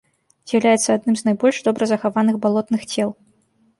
З'яўляецца адным з найбольш добра захаваных балотных цел.